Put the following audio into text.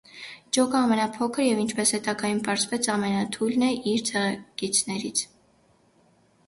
Ջոկը ամենափոքր և ինչպես հետագայում պարզվեց, ամենաթույլն է իր ցեղակիցներից։